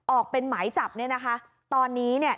ออกเป็นหมายจับเนี่ยนะคะตอนนี้เนี่ย